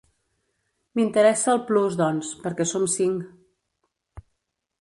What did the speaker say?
M'interessa el Plus doncs, perquè som cinc.